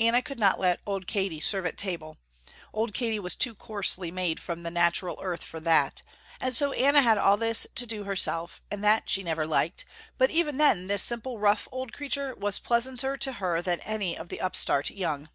Anna could not let old Katy serve at table old Katy was too coarsely made from natural earth for that and so Anna had all this to do herself and that she never liked, but even then this simple rough old creature was pleasanter to her than any of the upstart young.